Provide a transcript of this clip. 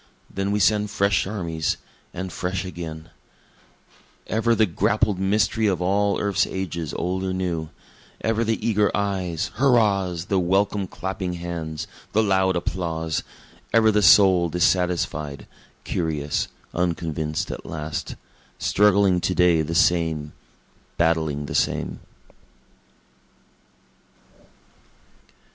then we send fresh armies and fresh again;) Ever the grappled mystery of all earth's ages old or new; Ever the eager eyes, hurrahs, the welcome clapping hands, the loud applause; Ever the soul dissatisfied, curious, unconvinced at last; Struggling to day the same battling the same.